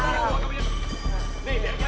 nih biar ganteng lu aja